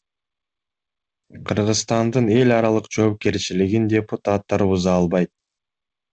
Кыргызстандын эл аралык жоопкерчилигин депутаттар буза албайт.